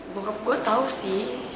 bokap gue tau sih